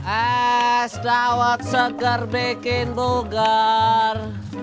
as dawat seger bikin buger